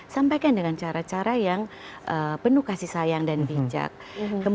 sampaikan dengan cara cara yang penuh kasih sayang dan bijak